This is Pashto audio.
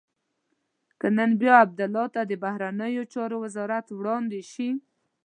که نن بیا عبدالله ته د بهرنیو چارو وزارت وړاندې شي.